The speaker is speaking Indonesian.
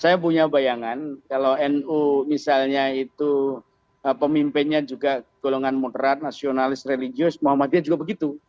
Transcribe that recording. saya punya bayangan kalau nu misalnya itu pemimpinnya juga golongan moderat nasionalis religius muhammadiyah juga begitu